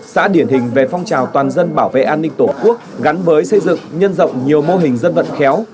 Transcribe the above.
xã điển hình về phong trào toàn dân bảo vệ an ninh tổ quốc gắn với xây dựng nhân rộng nhiều mô hình dân vận khéo